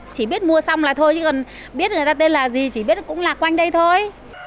chỉ biết mua xong là thôi chứ còn biết người ta tên là gì chỉ biết cũng lạc quanh đây thôi